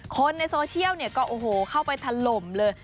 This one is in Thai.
คนในโซเชียลก็โอ้โหเข้าไปทะลมเลย